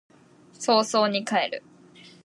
早々に帰る